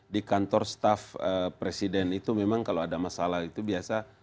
di kantor staff presiden itu memang kalau ada masalah itu biasa